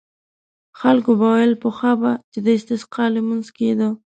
خلکو به ویل پخوا به چې د استسقا لمونځ کېده.